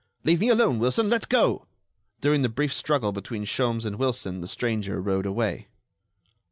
"Leave me alone, Wilson! Let go!" During the brief struggle between Sholmes and Wilson the stranger rode away.